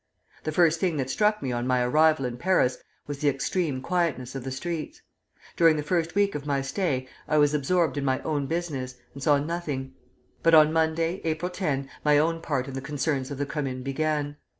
The first thing that struck me on my arrival in Paris was the extreme quietness of the streets. During the first week of my stay I was absorbed in my own business, and saw nothing; but on Monday, April 10, my own part in the concerns of the Commune began.